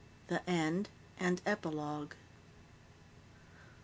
The End _and Epilogue.